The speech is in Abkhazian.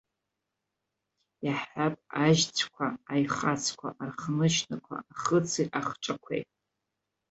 Иаҳҳәап, ажьҵәқәа, аихацқәа, архнышьнақәа, ахыци ахҿақәеи.